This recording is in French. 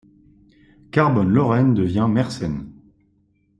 Carbone Lorraine devient Mersen.